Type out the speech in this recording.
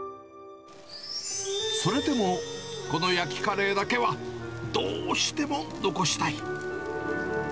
それでもこの焼きカレーだけはどうしても残したい。